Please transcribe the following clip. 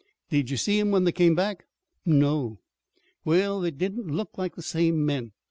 "Did you see 'em when they come back?" "No." "Well, they didn't look like the same men.